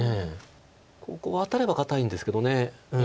ここワタれば堅いんですけど。